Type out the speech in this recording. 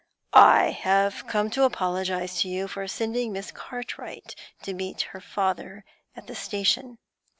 'I have come to apologise to you for sending Miss Cartwright to meet her father at the station.